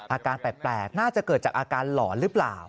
อาการแปลกน่าจะเกิดจากอาการหลอนหรือเปล่า